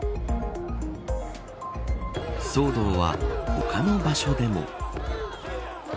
騒動は他の場所でも。